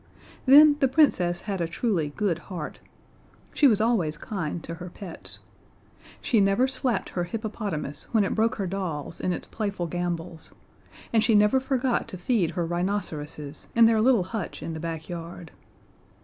Then the Princess had a truly good heart: She was always kind to her pets. She never slapped her hippopotamus when it broke her dolls in its playful gambols, and she never forgot to feed her rhinoceroses in their little hutch in the backyard.